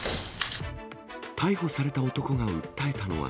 逮捕された男が訴えたのは。